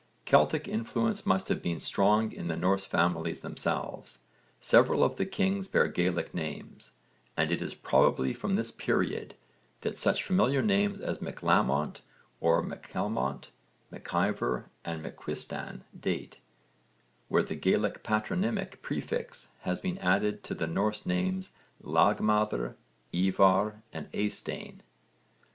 Celtic influence must have been strong in the Norse families themselves. Several of the kings bear Gaelic names, and it is probably from this period that such familiar names as MacLamont or MacCalmont, MacIver, and MacQuistan date, where the Gaelic patronymic prefix has been added to the Norse names Lagmaðr, Ívarr and Eysteinn.